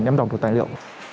thành tích của hồ chí minh là